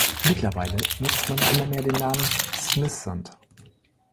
Mittlerweile nutze man immer mehr den Namen „Smithsund“.